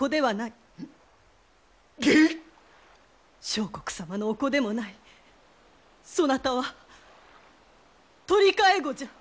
相国様のお子でもないそなたは取替子じゃ！